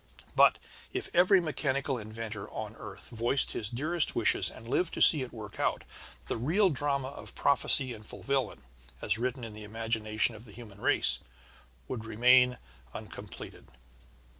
But if every mechanical inventor on earth voiced his dearest wish and lived to see it worked out, the real drama of prophecy and fulfilment, as written in the imagination of the human race, would remain uncompleted.